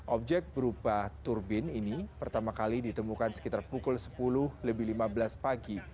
objek berupa turbin ini pertama kali ditemukan sekitar pukul sepuluh lebih lima belas pagi